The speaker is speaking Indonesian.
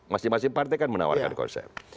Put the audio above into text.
masing masing partai kan menawarkan konsep